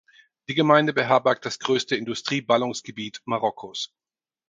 Die Gemeinde beherbergt das größte Industrie-Ballungsgebiet Marokkos.